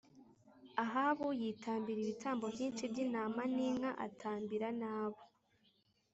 Ahabu yitambira ibitambo byinshi by intama n inka atambira n abo